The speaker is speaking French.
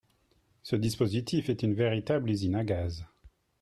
Ce dispositif est une véritable usine à gaz